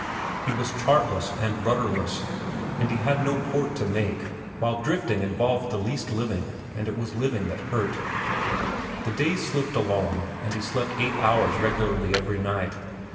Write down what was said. He was chartless and rudderless, and he had no port to make, while drifting involved the least living, and it was living that hurt. The days slipped along, and he slept eight hours regularly every night.